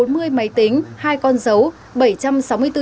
bốn mươi máy tính hai con dấu